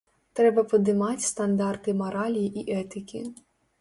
Трэба падымаць стандарты маралі і этыкі.